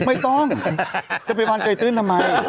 ไม่ต้องจะไปวางไกลตื้นทำไม